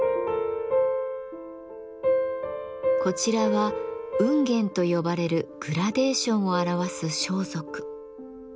こちらは繧繝と呼ばれるグラデーションを表す装束。